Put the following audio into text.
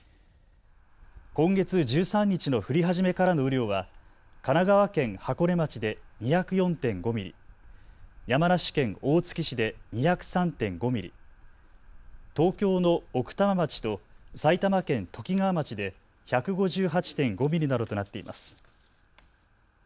今月１３日の降り始めからの雨量は神奈川県箱根町で２０４．５ミリ、山梨県大月市で２０３．５ミリ、東京の奥多摩町と埼玉県ときがわ町で１５８．５ミリなどとなっています。